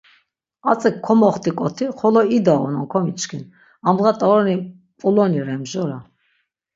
Atzi komoxtik̆oti xolo idaunon komiçkin, amdğa t̆aroni mp̌uloni ren mjora.